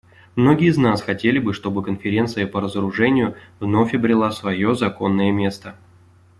Многие из нас хотели бы, чтобы Конференция по разоружению вновь обрела свое законное место.